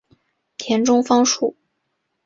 田中芳树。